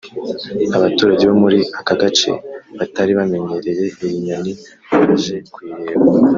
Abaturage bo muri aka gace batari bamenyereye iyi nyoni baje kuyireba